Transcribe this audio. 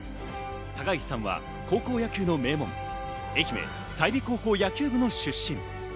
高岸さんは高校野球の名門、愛媛・済美高校、野球部の出身。